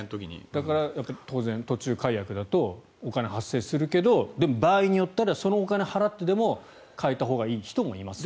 だから、当然途中解約だとお金発生するけど場合によってはそのお金を払ってでも変えたほうがいい人もいます。